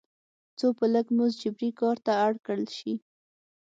څو په لږ مزد جبري کار ته اړ کړل شي.